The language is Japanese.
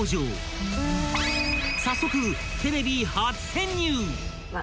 ［早速］